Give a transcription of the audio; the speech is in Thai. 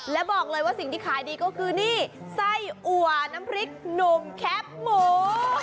และบอกเลยว่าสิ่งที่ขายดีก็คือนี่ไส้อัวน้ำพริกหนุ่มแคปหมู